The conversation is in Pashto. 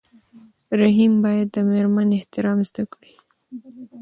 رحیم باید د مېرمنې احترام زده کړي.